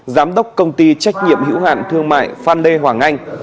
giám đốc công ty trách nhiệm hữu hạn thương mại phan đê hoàng anh